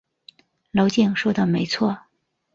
娄敬说的没错。